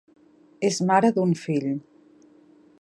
És mare d'un fill.